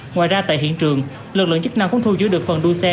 ngoài ra tại hiện trường lực lượng chức năng cũng thu giữ được phần đuôi xe